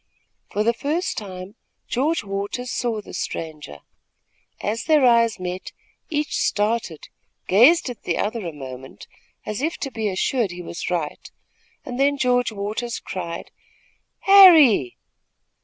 For the first time, George Waters saw the stranger. As their eyes met, each started, gazed at the other a moment, as if to be assured he was right, and then George Waters cried: "Harry!"